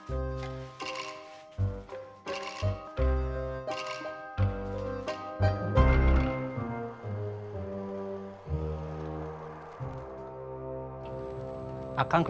aku mau manggil